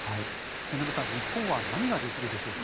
末延さん日本は何ができるでしょうか。